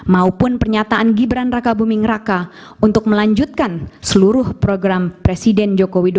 maupun pernyataan gibran raka buming raka untuk melanjutkan seluruh program presiden joko widodo